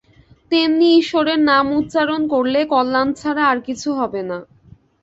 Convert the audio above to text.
তেমনি ঈশ্বরের নাম উচ্চারণ করলে কল্যাণ ছাড়া আর কিছু হবে না।